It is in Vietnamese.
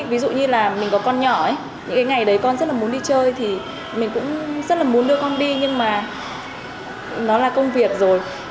ví dụ như là mình có con nhỏ ấy những cái ngày đấy con rất là muốn đi chơi thì mình cũng rất là muốn đưa con đi nhưng mà nó là công việc rồi